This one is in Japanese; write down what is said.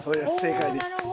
正解です。